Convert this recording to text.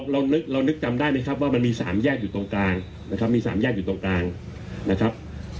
เรานึกจำได้ไหมครับว่ามันมี๓แยกอยู่ตรงกลางนะครับ